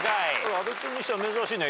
阿部君にしては珍しいね。